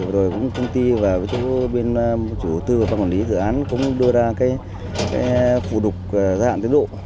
rồi cũng công ty và chủ tư và quan quản lý dự án cũng đưa ra cái phù đục gia hạn tiến độ